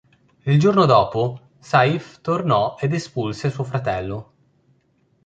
Il giorno dopo, Saif tornò ed espulse suo fratello.